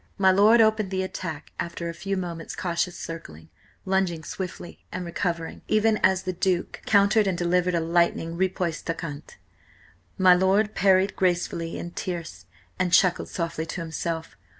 My lord opened the attack after a few moments' cautious circling, lunging swiftly and recovering, even as the Duke countered and delivered a lightning riposte en quinte. My lord parried gracefully in tierce, and chuckled softly to himself.